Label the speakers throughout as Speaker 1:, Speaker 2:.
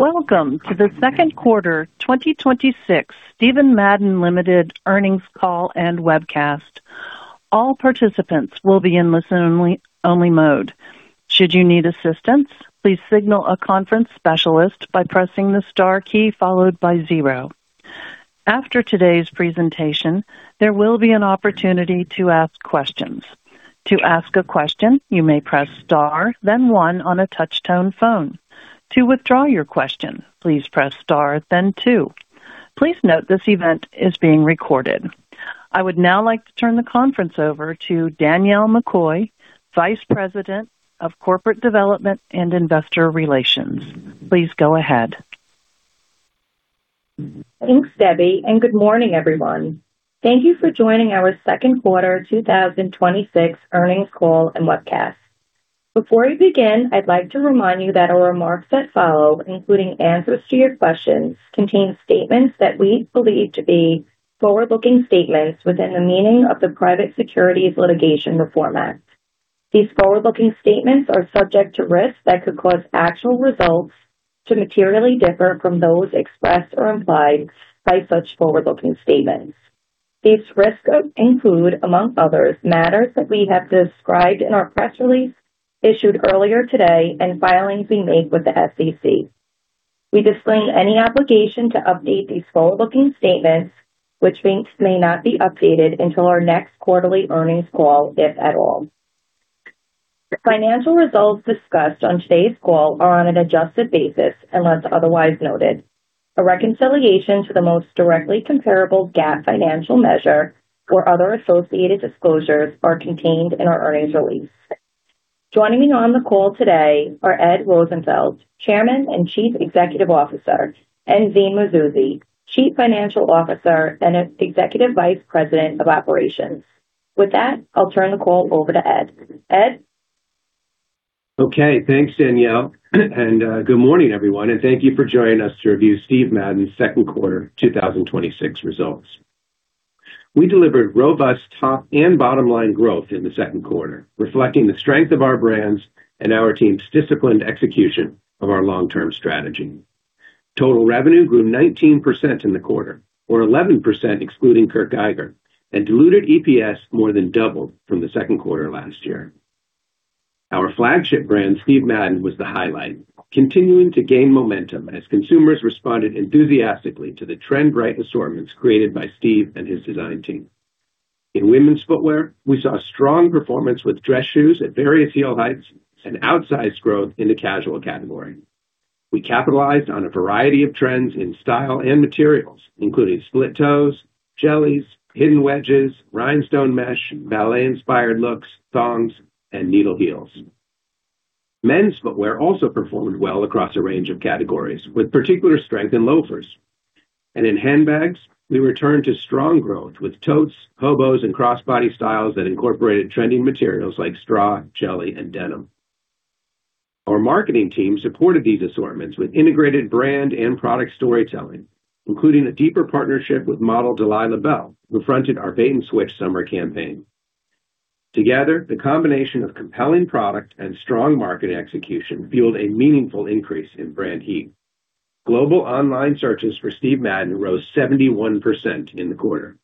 Speaker 1: Welcome to the second quarter 2026 Steven Madden, Limited earnings call and webcast. All participants will be in listen-only mode. Should you need assistance, please signal a conference specialist by pressing the star key followed by zero. After today's presentation, there will be an opportunity to ask questions. To ask a question, you may press star then one on a touch-tone phone. To withdraw your question, please press star then two. Please note this event is being recorded. I would now like to turn the conference over to Danielle McCoy, Vice President of Corporate Development and Investor Relations. Please go ahead.
Speaker 2: Thanks, Debbie. Good morning, everyone. Thank you for joining our second quarter 2026 earnings call and webcast. Before we begin, I'd like to remind you that our remarks that follow, including answers to your questions, contain statements that we believe to be forward-looking statements within the meaning of the Private Securities Litigation Reform Act. These forward-looking statements are subject to risks that could cause actual results to materially differ from those expressed or implied by such forward-looking statements. These risks include, among others, matters that we have described in our press release issued earlier today and filings we made with the SEC. We disclaim any obligation to update these forward-looking statements, which means they may not be updated until our next quarterly earnings call, if at all. The financial results discussed on today's call are on an adjusted basis unless otherwise noted. A reconciliation to the most directly comparable GAAP financial measure or other associated disclosures are contained in our earnings release. Joining me on the call today are Ed Rosenfeld, Chairman and Chief Executive Officer, and Zine Mazouzi, Chief Financial Officer and Executive Vice President of Operations. With that, I'll turn the call over to Ed. Ed?
Speaker 3: Okay. Thanks, Danielle. Good morning, everyone. Thank you for joining us to review Steve Madden's second quarter 2026 results. We delivered robust top and bottom-line growth in the second quarter, reflecting the strength of our brands and our team's disciplined execution of our long-term strategy. Total revenue grew 19% in the quarter, or 11% excluding Kurt Geiger, and diluted EPS more than doubled from the second quarter last year. Our flagship brand, Steve Madden, was the highlight, continuing to gain momentum as consumers responded enthusiastically to the trend-right assortments created by Steve and his design team. In women's footwear, we saw strong performance with dress shoes at various heel heights and outsized growth in the casual category. We capitalized on a variety of trends in style and materials, including split toes, jellies, hidden wedges, rhinestone mesh, ballet-inspired looks, thongs, and needle heels. Men's footwear also performed well across a range of categories, with particular strength in loafers. In handbags, we returned to strong growth with totes, hobos, and crossbody styles that incorporated trending materials like straw, jelly, and denim. Our marketing team supported these assortments with integrated brand and product storytelling, including a deeper partnership with model Delilah Belle, who fronted our Bait and Switch summer campaign. Together, the combination of compelling product and strong market execution fueled a meaningful increase in brand heat. Global online searches for Steve Madden rose 71% in the quarter.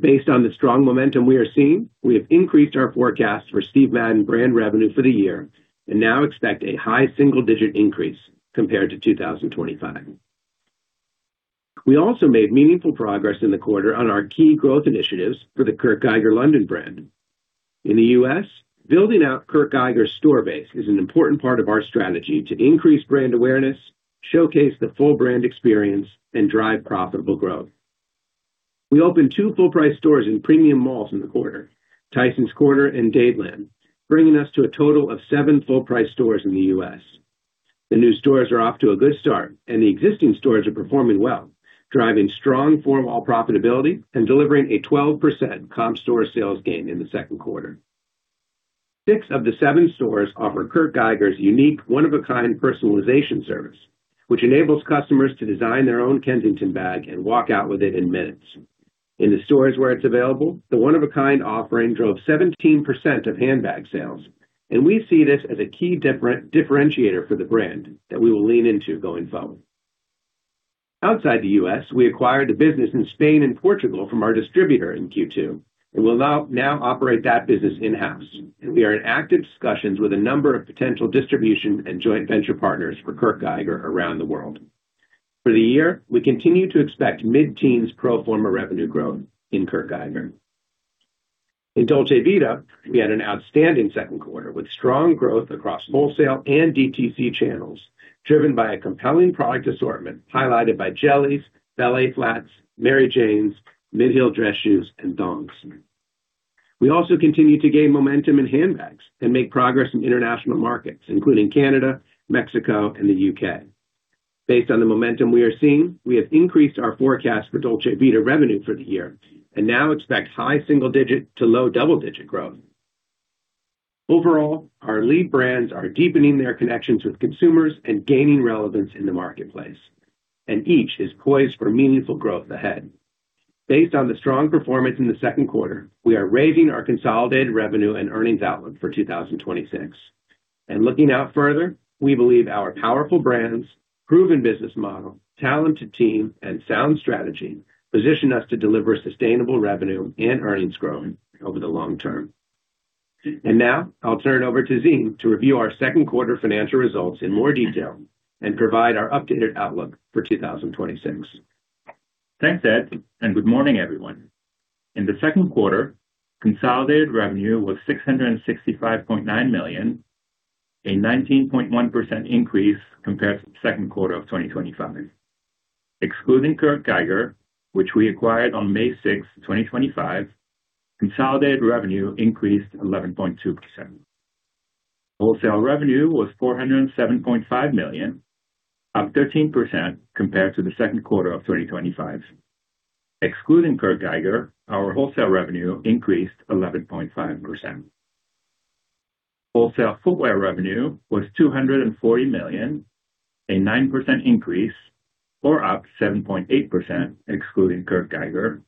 Speaker 3: Based on the strong momentum we are seeing, we have increased our forecast for Steve Madden brand revenue for the year and now expect a high single-digit increase compared to 2025. We also made meaningful progress in the quarter on our key growth initiatives for the Kurt Geiger London brand. In the U.S., building out Kurt Geiger's store base is an important part of our strategy to increase brand awareness, showcase the full brand experience, and drive profitable growth. We opened two full-price stores in premium malls in the quarter, Tysons Corner and Dadeland, bringing us to a total of seven full-price stores in the U.S. The new stores are off to a good start, and the existing stores are performing well, driving strong formal profitability and delivering a 12% comp store sales gain in the second quarter. Six of the seven stores offer Kurt Geiger's unique one-of-a-kind personalization service, which enables customers to design their own Kensington bag and walk out with it in minutes. In the stores where it's available, the one-of-a-kind offering drove 17% of handbag sales, we see this as a key differentiator for the brand that we will lean into going forward. Outside the U.S., we acquired a business in Spain and Portugal from our distributor in Q2 and will now operate that business in-house. We are in active discussions with a number of potential distribution and joint venture partners for Kurt Geiger around the world. For the year, we continue to expect mid-teens pro forma revenue growth in Kurt Geiger. In Dolce Vita, we had an outstanding second quarter with strong growth across wholesale and DTC channels, driven by a compelling product assortment highlighted by jellies, ballet flats, Mary Janes, mid-heel dress shoes, and thongs. We also continue to gain momentum in handbags and make progress in international markets, including Canada, Mexico, and the U.K. Based on the momentum we are seeing, we have increased our forecast for Dolce Vita revenue for the year and now expect high single-digit to low double-digit growth. Overall, our lead brands are deepening their connections with consumers and gaining relevance in the marketplace, each is poised for meaningful growth ahead. Based on the strong performance in the second quarter, we are raising our consolidated revenue and earnings outlook for 2026. Looking out further, we believe our powerful brands, proven business model, talented team, and sound strategy position us to deliver sustainable revenue and earnings growth over the long term. Now I'll turn it over to Zine to review our second quarter financial results in more detail and provide our updated outlook for 2026.
Speaker 4: Thanks, Ed. Good morning, everyone. In the second quarter, consolidated revenue was $665.9 million, a 19.1% increase compared to the second quarter of 2025. Excluding Kurt Geiger, which we acquired on May 6th, 2025, consolidated revenue increased 11.2%. Wholesale revenue was $407.5 million, up 13% compared to the second quarter of 2025. Excluding Kurt Geiger, our wholesale revenue increased 11.5%. Wholesale footwear revenue was $240 million, a 9% increase, or up 7.8% excluding Kurt Geiger,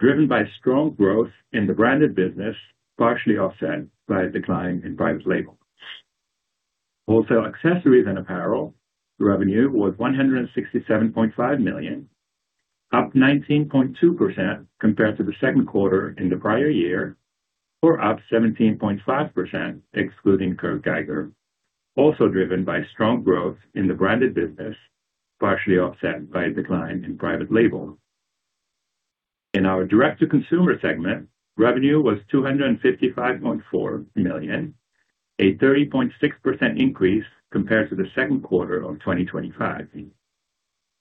Speaker 4: driven by strong growth in the branded business, partially offset by a decline in private label. Wholesale accessories and apparel revenue was $167.5 million, up 19.2% compared to the second quarter in the prior year, or up 17.5% excluding Kurt Geiger, also driven by strong growth in the branded business, partially offset by a decline in private label. In our direct-to-consumer segment, revenue was $255.4 million, a 30.6% increase compared to the second quarter of 2025.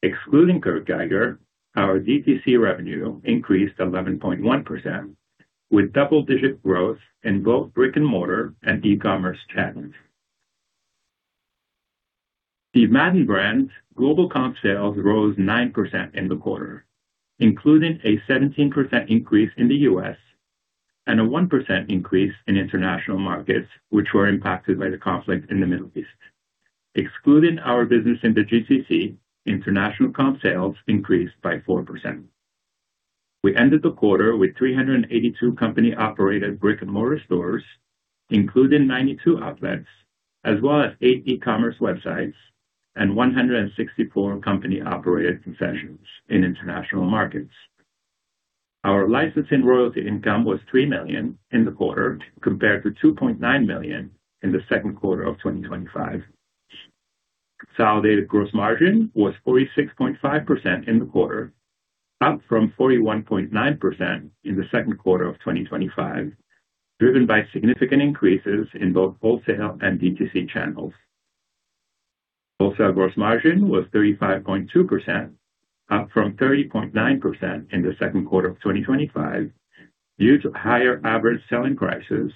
Speaker 4: Excluding Kurt Geiger, our DTC revenue increased 11.1%, with double-digit growth in both brick-and-mortar and e-commerce channels. Steve Madden brand global comp sales rose 9% in the quarter, including a 17% increase in the U.S. and a 1% increase in international markets, which were impacted by the conflict in the Middle East. Excluding our business in the GCC, international comp sales increased by 4%. We ended the quarter with 382 company-operated brick-and-mortar stores, including 92 outlets, as well as eight e-commerce websites and 164 company-operated concessions in international markets. Our license and royalty income was $3 million in the quarter compared to $2.9 million in the second quarter of 2025. Consolidated gross margin was 46.5% in the quarter, up from 41.9% in the second quarter of 2025, driven by significant increases in both wholesale and DTC channels. Wholesale gross margin was 35.2%, up from 30.9% in the second quarter of 2025 due to higher average selling prices,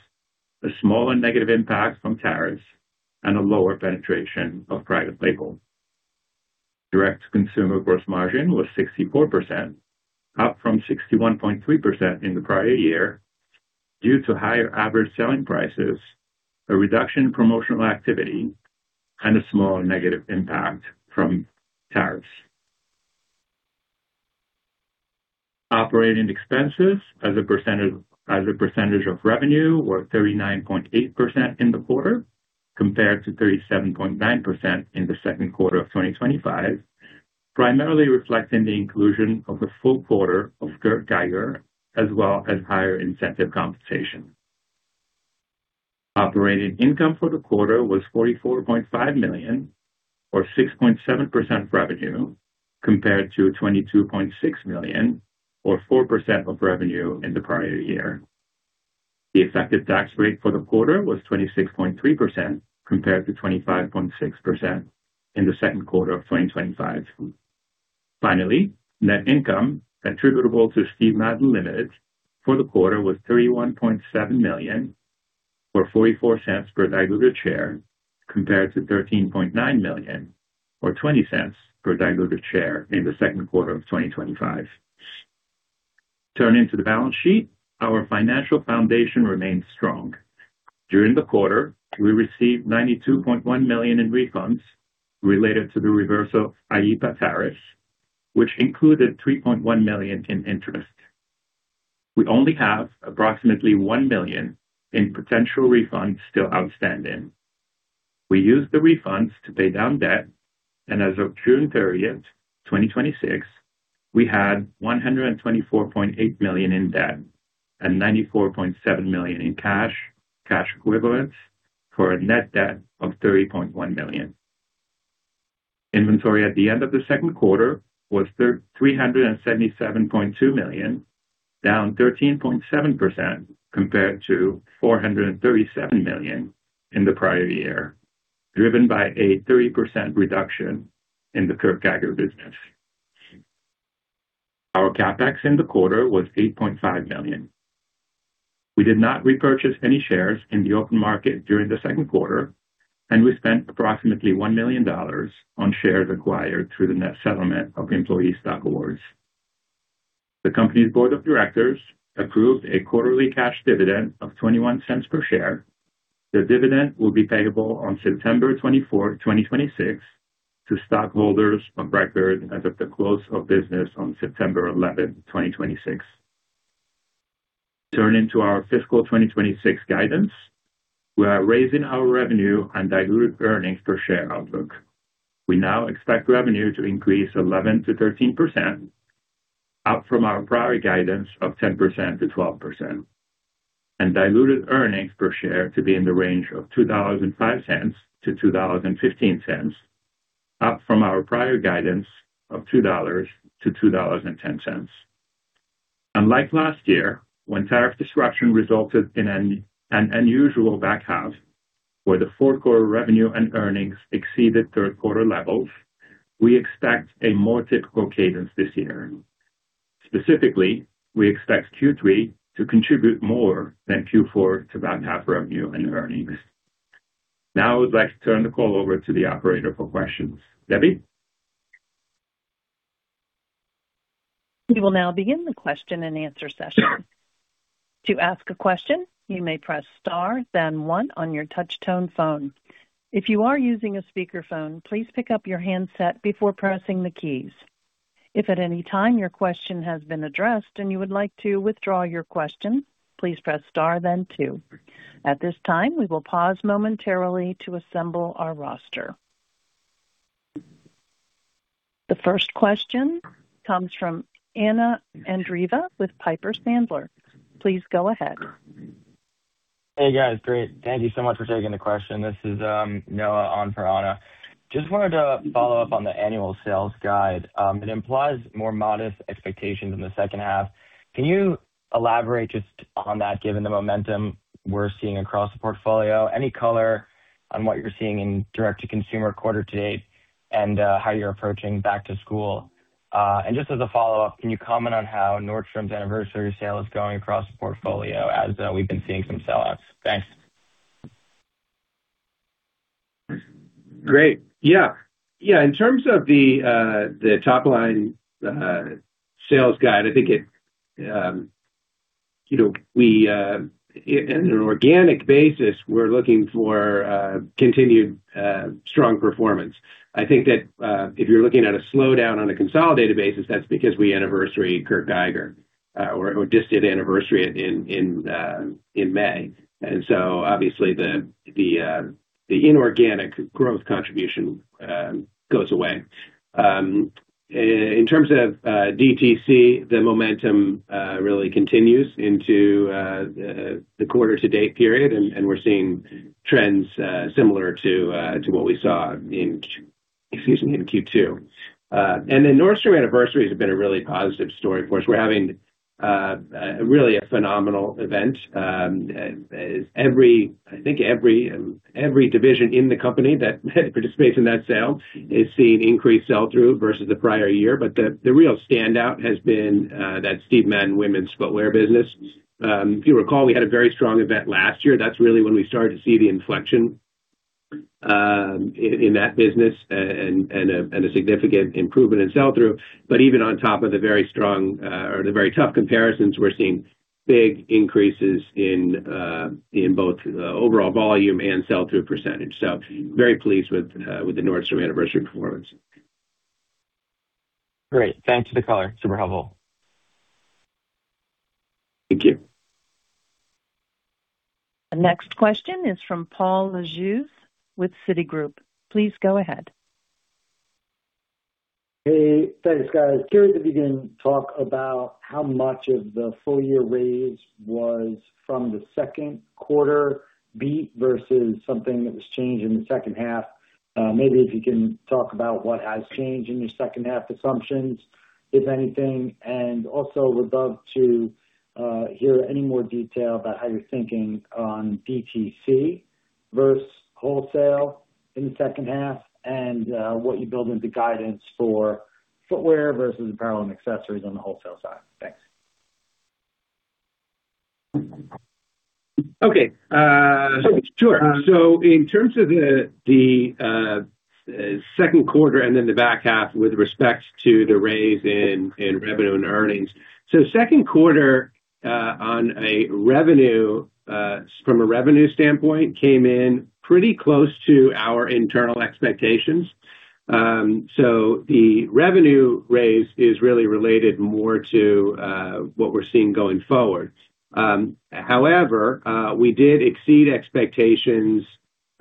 Speaker 4: a smaller negative impact from tariffs, and a lower penetration of private label. Direct-to-consumer gross margin was 64%, up from 61.3% in the prior year due to higher average selling prices, a reduction in promotional activity, and a small negative impact from tariffs. Operating expenses as a percentage of revenue were 39.8% in the quarter, compared to 37.9% in the second quarter of 2025, primarily reflecting the inclusion of a full quarter of Kurt Geiger, as well as higher incentive compensation. Operating income for the quarter was $44.5 million or 6.7% revenue, compared to $22.6 million or 4% of revenue in the prior year. The effective tax rate for the quarter was 26.3%, compared to 25.6% in the second quarter of 2025. Finally, net income attributable to Steve Madden, Ltd for the quarter was $31.7 million or $0.44 per diluted share compared to $13.9 million or $0.20 per diluted share in the second quarter of 2025. Turning to the balance sheet, our financial foundation remains strong. During the quarter, we received $92.1 million in refunds related to the reversal of IEEPA tariffs, which included $3.1 million in interest. We only have approximately $1 million in potential refunds still outstanding. We used the refunds to pay down debt. As of June 30th, 2026, we had $124.8 million in debt and $94.7 million in cash equivalents for a net debt of $30.1 million. Inventory at the end of the second quarter was $377.2 million, down 13.7% compared to $437 million in the prior year, driven by a 30% reduction in the Kurt Geiger business. Our CapEx in the quarter was $8.5 million. We did not repurchase any shares in the open market during the second quarter. We spent approximately $1 million on shares acquired through the net settlement of employee stock awards. The company's board of directors approved a quarterly cash dividend of $0.21 per share. The dividend will be payable on September 24th, 2026 to stockholders of record as of the close of business on September 11th, 2026. Turning to our fiscal 2026 guidance, we are raising our revenue and diluted earnings per share outlook. We now expect revenue to increase 11%-13%, up from our prior guidance of 10%-12%. Diluted earnings per share to be in the range of $2.05-$2.15, up from our prior guidance of $2-$2.10. Unlike last year, when tariff disruption resulted in an unusual back half where the fourth quarter revenue and earnings exceeded third quarter levels, we expect a more typical cadence this year. Specifically, we expect Q3 to contribute more than Q4 to bottom half revenue and earnings. I would like to turn the call over to the operator for questions. Debbie?
Speaker 1: We will begin the question and answer session. To ask a question, you may press star then one on your touch tone phone. If you are using a speaker phone, please pick up your handset before pressing the keys. If at any time your question has been addressed and you would like to withdraw your question, please press star then two. At this time, we will pause momentarily to assemble our roster. The first question comes from Anna Andreeva with Piper Sandler. Please go ahead.
Speaker 5: Hey, guys. Great. Thank you so much for taking the question. This is Noah on for Anna. Wanted to follow up on the annual sales guide. It implies more modest expectations in the second half. Can you elaborate just on that, given the momentum we're seeing across the portfolio? Any color on what you're seeing in direct to consumer quarter to date and how you're approaching back to school? Just as a follow-up, can you comment on how Nordstrom's anniversary sale is going across the portfolio as we've been seeing some sellouts? Thanks.
Speaker 3: Great. Yeah. In terms of the top line sales guide, I think on an organic basis, we're looking for continued strong performance. I think that if you're looking at a slowdown on a consolidated basis, that's because we anniversary Kurt Geiger, or just did anniversary in May. Obviously the inorganic growth contribution goes away. In terms of DTC, the momentum really continues into the quarter to date period, and we're seeing trends similar to what we saw in Q2. Nordstrom anniversary has been a really positive story for us. We're having really a phenomenal event. I think every division in the company that participates in that sale is seeing increased sell-through versus the prior year. The real standout has been that Steve Madden women's footwear business. If you recall, we had a very strong event last year. That's really when we started to see the inflection in that business and a significant improvement in sell-through. Even on top of the very tough comparisons, we're seeing big increases in both overall volume and sell-through percentage. Very pleased with the Nordstrom anniversary performance.
Speaker 5: Great. Thanks for the color. Super helpful.
Speaker 3: Thank you.
Speaker 1: The next question is from Paul Lejuez with Citigroup. Please go ahead.
Speaker 6: Hey, thanks, guys. Curious if you can talk about how much of the full year raise was from the second quarter beat versus something that was changed in the second half. Maybe if you can talk about what has changed in your second half assumptions, if anything, Also would love to hear any more detail about how you're thinking on DTC versus wholesale in the second half, and what you build into guidance for footwear versus apparel and accessories on the wholesale side. Thanks.
Speaker 3: Okay. Sure. In terms of the second quarter then the back half with respect to the raise in revenue and earnings. Second quarter from a revenue standpoint, came in pretty close to our internal expectations. The revenue raise is really related more to what we're seeing going forward. However, we did exceed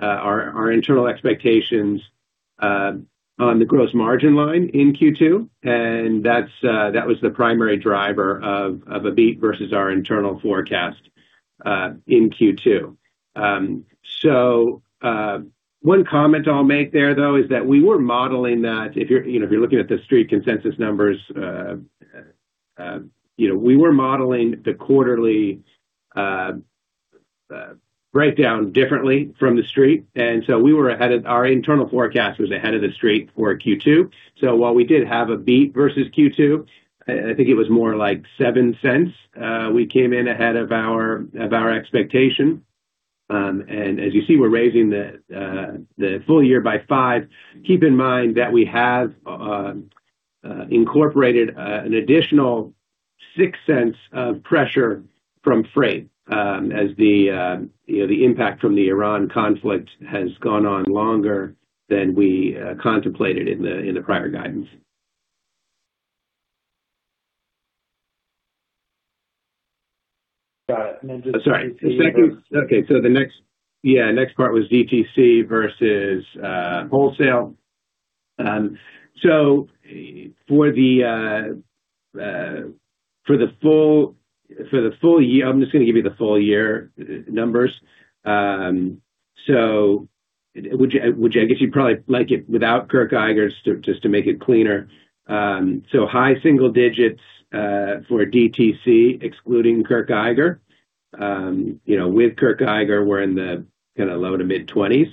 Speaker 3: our internal expectations on the gross margin line in Q2, That was the primary driver of a beat versus our internal forecast in Q2. One comment I'll make there, though, is that we were modeling that. If you're looking at the Street consensus numbers, we were modeling the quarterly breakdown differently from the Street, so our internal forecast was ahead of the Street for Q2. While we did have a beat versus Q2, I think it was more like $0.07. We came in ahead of our expectation. As you see, we're raising the full year by $0.05. Keep in mind that we have incorporated an additional $0.06 of pressure from freight, as the impact from the Iran conflict has gone on longer than we contemplated in the prior guidance.
Speaker 6: Got it. Then just DTC versus.
Speaker 3: Okay. The next part was DTC versus wholesale. For the full year, I'm just going to give you the full year numbers. Which I guess you'd probably like it without Kurt Geiger's just to make it cleaner. High single digits for DTC excluding Kurt Geiger. With Kurt Geiger, we're in the low to mid-20s.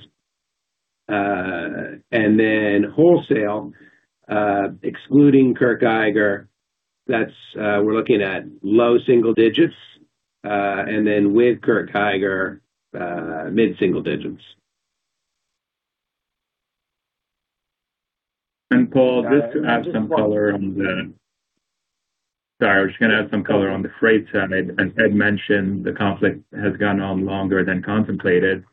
Speaker 3: Then wholesale, excluding Kurt Geiger, we're looking at low single digits. Then with Kurt Geiger, mid-single digits.
Speaker 4: Paul, I was just going to add some color on the freight side. As Ed mentioned, the conflict has gone on longer than contemplated.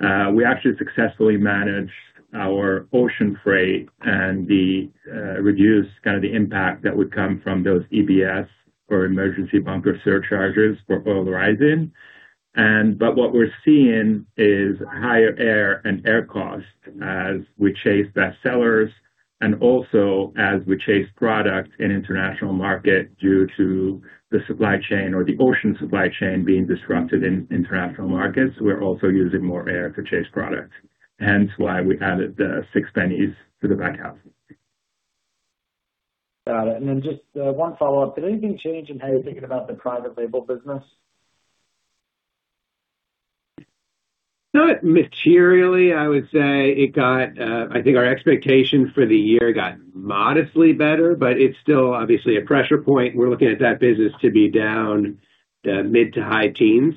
Speaker 4: We actually successfully managed our ocean freight and reduced the impact that would come from those EBS or Emergency Bunker Surcharge for oil rising. What we're seeing is higher air and air costs as we chase bestsellers and also as we chase product in international market due to the supply chain or the ocean supply chain being disrupted in international markets. We're also using more air to chase product. Hence why we added the $0.06 to the back half.
Speaker 6: Got it. Then just one follow-up. Did anything change in how you're thinking about the private label business?
Speaker 3: Not materially, I would say. I think our expectation for the year got modestly better, but it's still obviously a pressure point, and we're looking at that business to be down the mid to high teens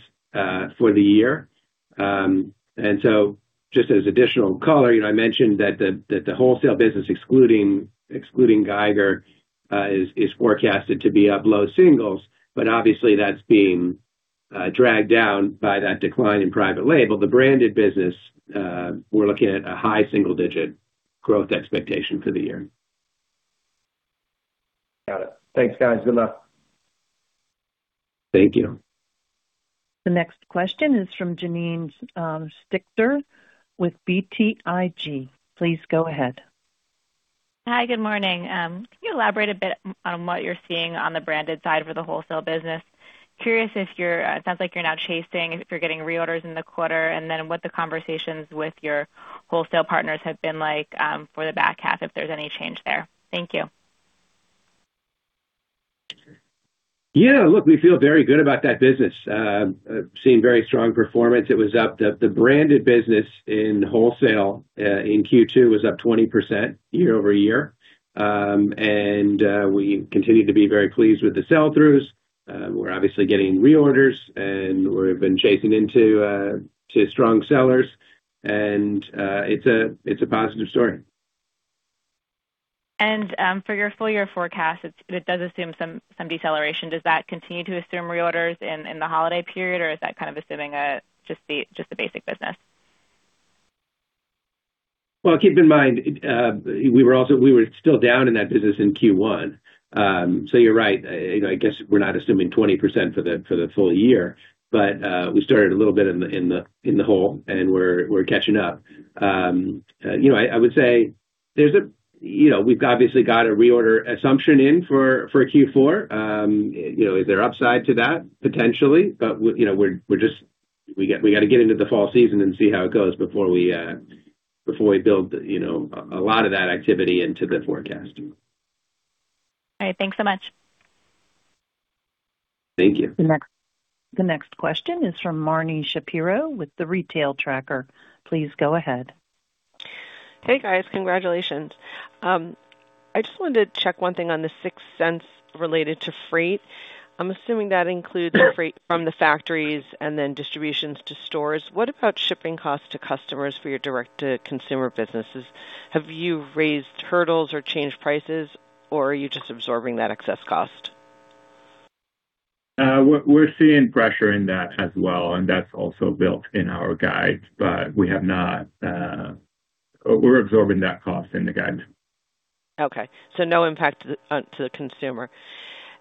Speaker 3: for the year. So just as additional color, I mentioned that the wholesale business, excluding Geiger, is forecasted to be up low singles, but obviously that's being dragged down by that decline in private label. The branded business, we're looking at a high single-digit growth expectation for the year.
Speaker 6: Got it. Thanks, guys. Good luck.
Speaker 3: Thank you.
Speaker 1: The next question is from Janine Stichter with BTIG. Please go ahead.
Speaker 7: Hi. Good morning. Can you elaborate a bit on what you're seeing on the branded side for the wholesale business? Curious, it sounds like you're now chasing if you're getting reorders in the quarter, and then what the conversations with your wholesale partners have been like for the back half, if there's any change there. Thank you.
Speaker 3: Yeah, look, we feel very good about that business. Seeing very strong performance. The branded business in wholesale in Q2 was up 20% year-over-year. We continue to be very pleased with the sell-throughs. We're obviously getting reorders, and we've been chasing into strong sellers. It's a positive story.
Speaker 7: For your full year forecast, it does assume some deceleration. Does that continue to assume reorders in the holiday period, or is that kind of assuming just the basic business?
Speaker 3: Keep in mind, we were still down in that business in Q1. You're right. I guess we're not assuming 20% for the full year. We started a little bit in the hole, and we're catching up. I would say we've obviously got a reorder assumption in for Q4. Is there upside to that? Potentially. We got to get into the fall season and see how it goes before we build a lot of that activity into the forecast.
Speaker 7: All right. Thanks so much.
Speaker 3: Thank you.
Speaker 1: The next question is from Marni Shapiro with The Retail Tracker. Please go ahead.
Speaker 8: Hey, guys. Congratulations. I just wanted to check one thing on the $0.06 related to freight. I'm assuming that includes the freight from the factories and then distributions to stores. What about shipping costs to customers for your direct-to-consumer businesses? Have you raised hurdles or changed prices, or are you just absorbing that excess cost?
Speaker 4: We're seeing pressure in that as well, and that's also built in our guides. We're absorbing that cost in the guides.
Speaker 8: Okay. No impact to the consumer.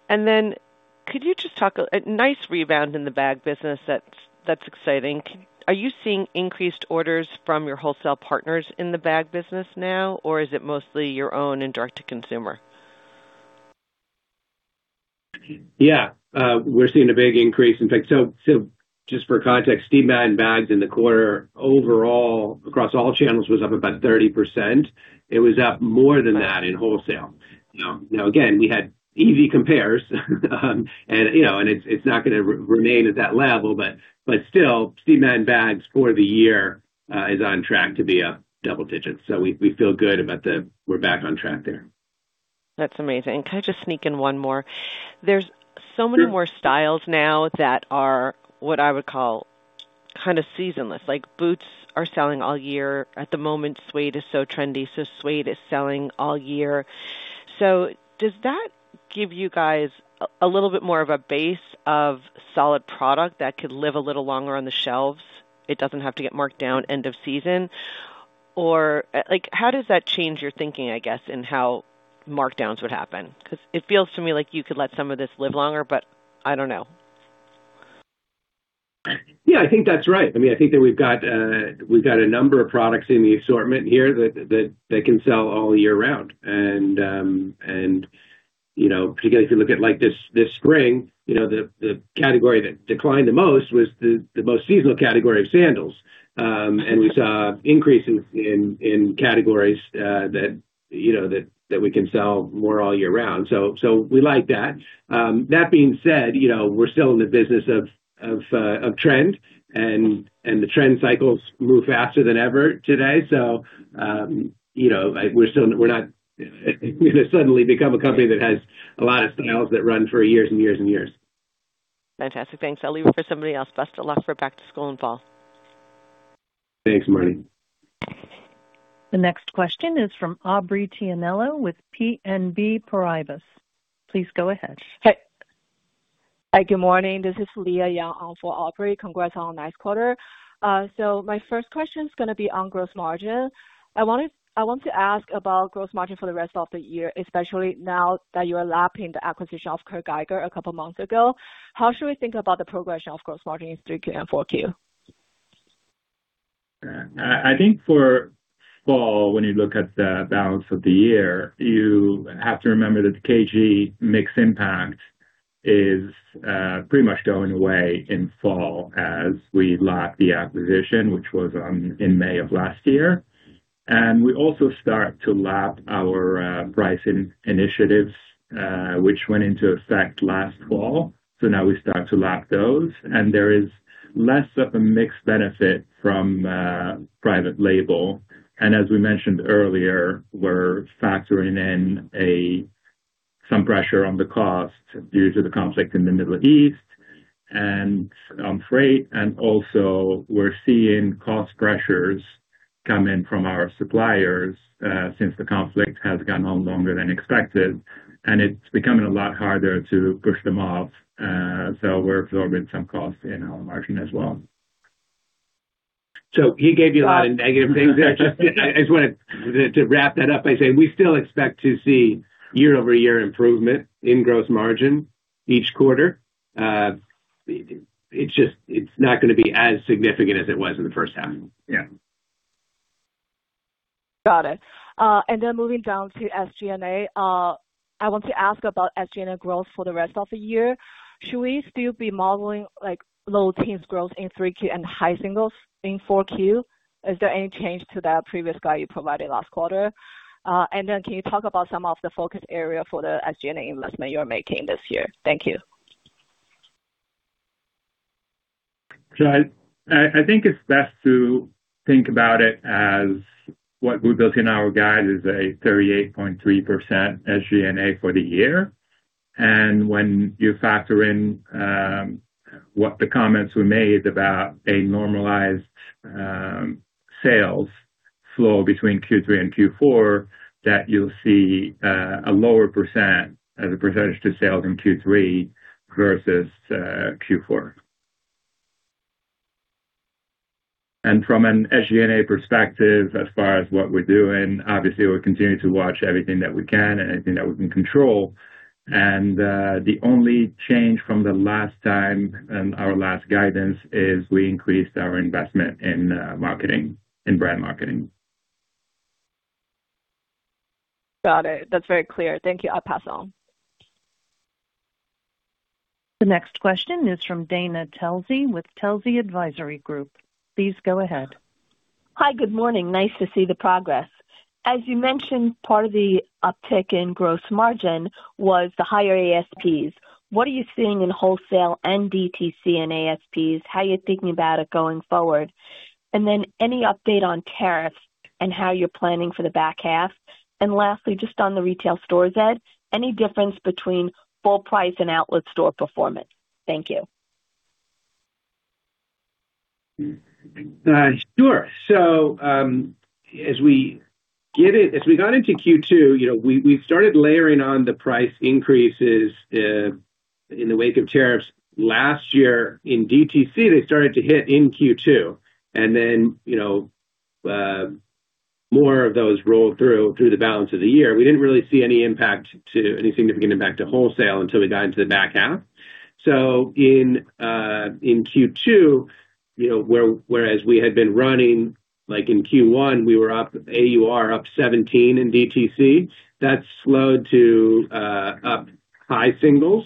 Speaker 8: Could you just talk a nice rebound in the bag business. That's exciting. Are you seeing increased orders from your wholesale partners in the bag business now, or is it mostly your own and direct-to-consumer?
Speaker 3: Yeah. We're seeing a big increase. In fact, just for context, Steve Madden bags in the quarter overall, across all channels, was up about 30%. It was up more than that in wholesale. Again, we had easy compares and it's not going to remain at that level, Steve Madden bags for the year is on track to be up double digits. We feel good about the we're back on track there.
Speaker 8: That's amazing. Can I just sneak in one more? There's so many more styles now that are what I would call kind of seasonless, like boots are selling all year. At the moment, suede is so trendy, so suede is selling all year. Does that give you guys a little bit more of a base of solid product that could live a little longer on the shelves? It doesn't have to get marked down end of season. How does that change your thinking, I guess, in how markdowns would happen? Because it feels to me like you could let some of this live longer, but I don't know.
Speaker 4: Yeah, I think that's right. I think that we've got a number of products in the assortment here that can sell all year round. Particularly, if you look at this spring, the category that declined the most was the most seasonal category of sandals. We saw an increase in categories that we can sell more all year round. We like that. That being said, we're still in the business of trend, and the trend cycles move faster than ever today. We're not going to suddenly become a company that has a lot of styles that run for years and years and years.
Speaker 8: Fantastic. Thanks. I'll leave it for somebody else. Best of luck for back to school and fall.
Speaker 3: Thanks, Marni.
Speaker 1: The next question is from Aubrey Tianello with BNP Paribas. Please go ahead.
Speaker 9: Hi. Good morning. This is Leah Yang on for Aubrey. Congrats on a nice quarter. My first question is going to be on gross margin. I want to ask about gross margin for the rest of the year, especially now that you are lapping the acquisition of Kurt Geiger a couple months ago. How should we think about the progression of gross margin in three Q and four Q?
Speaker 4: I think for fall, when you look at the balance of the year, you have to remember that the KG mix impact is pretty much going away in fall as we lap the acquisition, which was in May of last year. We also start to lap our price initiatives, which went into effect last fall. Now we start to lap those, and there is less of a mixed benefit from private label. As we mentioned earlier, we're factoring in some pressure on the cost due to the conflict in the Middle East and on freight, and also we're seeing cost pressures come in from our suppliers since the conflict has gone on longer than expected, and it's becoming a lot harder to push them off. We're absorbing some cost in our margin as well.
Speaker 3: He gave you a lot of negative things there. I just wanted to wrap that up by saying we still expect to see year-over-year improvement in gross margin each quarter. It's not going to be as significant as it was in the first half.
Speaker 4: Yeah.
Speaker 9: Got it. Moving down to SG&A. I want to ask about SG&A growth for the rest of the year. Should we still be modeling low teens growth in 3Q and high singles in 4Q? Is there any change to that previous guide you provided last quarter? Can you talk about some of the focus area for the SG&A investment you're making this year? Thank you.
Speaker 4: I think it's best to think about it as what we built in our guide is a 38.3% SG&A for the year. When you factor in what the comments we made about a normalized sales flow between Q3 and Q4, that you'll see a lower percent as a percentage to sales in Q3 versus Q4. From an SG&A perspective, as far as what we're doing, obviously, we're continuing to watch everything that we can and anything that we can control. The only change from the last time in our last guidance is we increased our investment in marketing, in brand marketing.
Speaker 9: Got it. That's very clear. Thank you. I'll pass on.
Speaker 1: The next question is from Dana Telsey with Telsey Advisory Group. Please go ahead.
Speaker 10: Hi. Good morning. Nice to see the progress. As you mentioned, part of the uptick in gross margin was the higher ASPs. What are you seeing in wholesale and DTC in ASPs? How are you thinking about it going forward? Any update on tariffs and how you're planning for the back half? Lastly, just on the retail stores, Ed, any difference between full price and outlet store performance? Thank you.
Speaker 4: Sure. As we got into Q2, we started layering on the price increases in the wake of tariffs last year. In DTC, they started to hit in Q2, more of those rolled through the balance of the year. We didn't really see any significant impact to wholesale until we got into the back half. In Q2, whereas we had been running, like in Q1, we were up AUR up 17% in DTC. That slowed to up high singles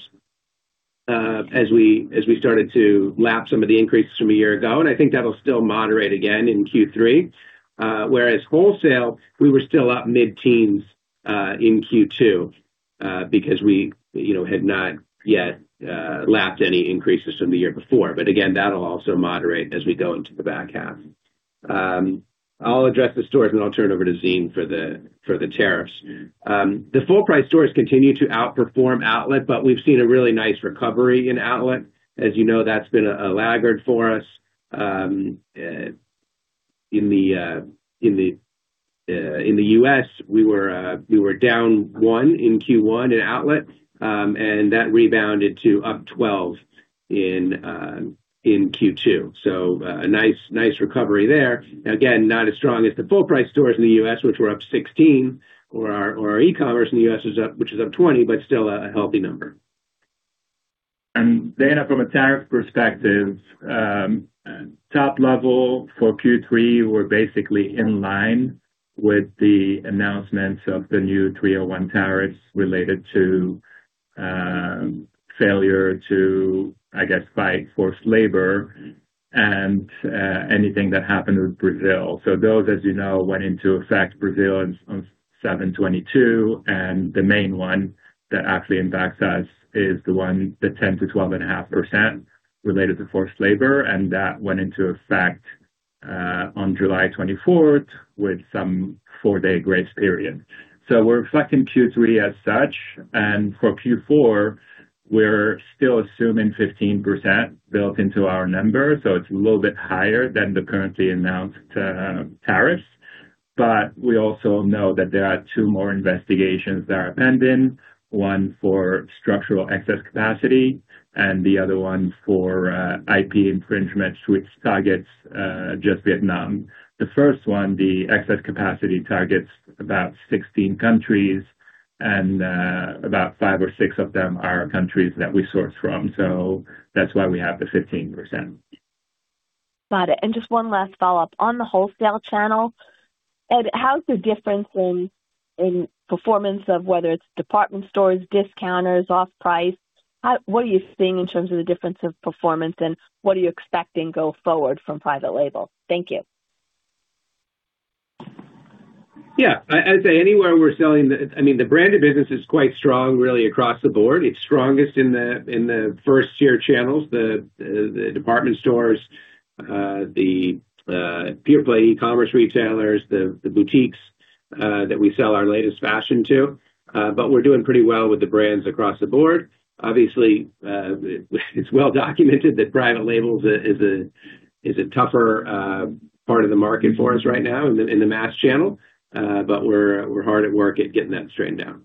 Speaker 4: as we started to lap some of the increases from a year ago, I think that'll still moderate again in Q3. Whereas wholesale, we were still up mid-teens in Q2 because we had not yet lapped any increases from the year before. Again, that'll also moderate as we go into the back half.
Speaker 3: I'll address the stores, I'll turn it over to Zine for the tariffs. The full price stores continue to outperform outlet, but we've seen a really nice recovery in outlet. As you know, that's been a laggard for us. In the U.S., we were down 1% in Q1 in outlet, that rebounded to up 12% in Q2. A nice recovery there. Again, not as strong as the full price stores in the U.S. which were up 16%, or our e-commerce in the U.S., which is up 20%, but still a healthy number.
Speaker 4: Dana, from a tariff perspective, top level for Q3, we're basically in line with the announcements of the new Section 301 tariffs related to failure to, I guess, fight forced labor and anything that happened with Brazil. Those, as you know, went into effect, Brazil on 7/22, and the main one that actually impacts us is the one that's 10%-12.5% related to forced labor, and that went into effect on July 24th with some four-day grace period. We're reflecting Q3 as such, and for Q4, we're still assuming 15% built into our numbers. It's a little bit higher than the currently announced tariffs. We also know that there are two more investigations that are pending. One for structural excess capacity and the other one for IP infringements, which targets just Vietnam. The first one, the excess capacity, targets about 16 countries, and about five or six of them are countries that we source from. That's why we have the 15%.
Speaker 10: Got it. Just one last follow-up. On the wholesale channel, Ed, how's the difference in performance of whether it's department stores, discounters, off-price? What are you seeing in terms of the difference of performance, and what are you expecting go forward from private label? Thank you.
Speaker 3: Yeah. I'd say anywhere we're selling the branded business is quite strong, really, across the board. It's strongest in the first-tier channels, the department stores, the pure play e-commerce retailers, the boutiques that we sell our latest fashion to. We're doing pretty well with the brands across the board. Obviously, it's well documented that private labels is a tougher part of the market for us right now in the mass channel. We're hard at work at getting that straightened out.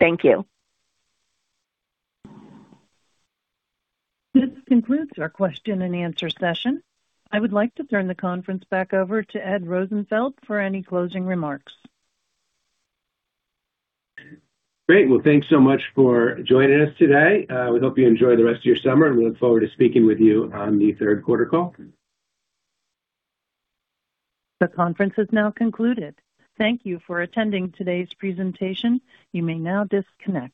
Speaker 10: Thank you.
Speaker 1: This concludes our question and answer session. I would like to turn the conference back over to Ed Rosenfeld for any closing remarks.
Speaker 3: Great. Well, thanks so much for joining us today. We hope you enjoy the rest of your summer, and we look forward to speaking with you on the third quarter call.
Speaker 1: The conference has now concluded. Thank you for attending today's presentation. You may now disconnect.